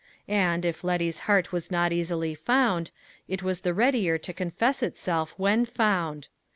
And, if Letty's heart was not easily found, it was the readier to confess itself when found.